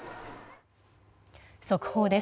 速報です。